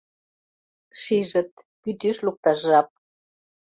Шижыт: кӱтӱш лукташ жап.